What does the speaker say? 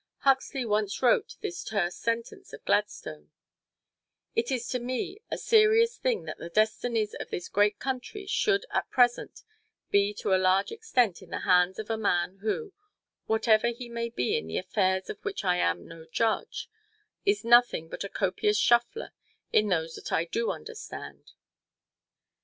Huxley once wrote this terse sentence of Gladstone: "It is to me a serious thing that the destinies of this great country should at present be to a great extent in the hands of a man who, whatever he may be in the affairs of which I am no judge, is nothing but a copious shuffler in those that I do understand."